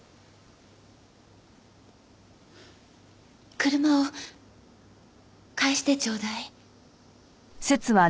車を帰してちょうだい。